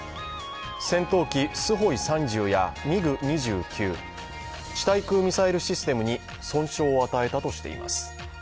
戦闘機スホイ３０やミグ２９、地対空ミサイルシステムに損傷を与えたとしています。